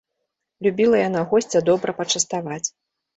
Любіла яна госця добра пачаставаць.